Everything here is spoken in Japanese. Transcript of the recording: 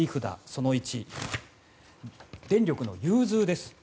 その１、電力の融通です。